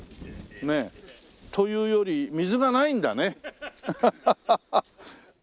ねえ。というより水がないんだね。